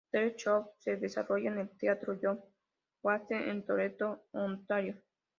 The show se desarrolla en el Teatro John Bassett en Toronto, Ontario.